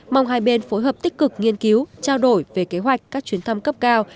mong hai bên phối hợp tích cực nghiên cứu trao đổi về kế hoạch các chuyến thăm cấp cao